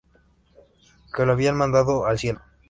Que lo habían "mandado al Cielo".